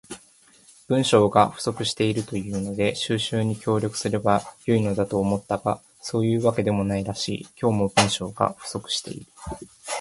文章が不足しているというので収集に協力すれば良いのだと思ったが、そういうわけでもないらしい。今日も、文章が不足している。